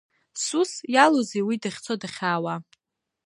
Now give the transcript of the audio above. Сусс иалоузеи уи дахьцо-дахьаауа?